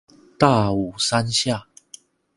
大武山下